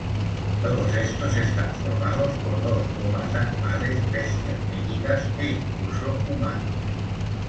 Todos estos están formados por dos o más animales, bestias míticas, e incluso, humanos.